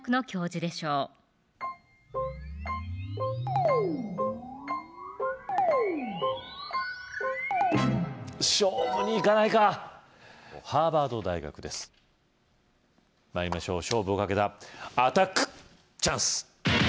参りましょう勝負をかけたアタックチャンス‼